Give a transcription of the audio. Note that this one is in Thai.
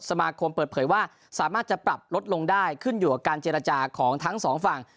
สมาคมเปิดเผยว่าสามารถจะปรับลดลงได้ขึ้นอยู่กับการเจรจาของทั้งสองฝั่ง